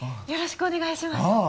よろしくお願いします。